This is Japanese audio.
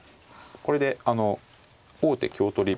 これであの王手香取り。